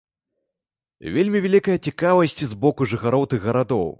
Вельмі вялікая цікавасць з боку жыхароў тых гарадоў.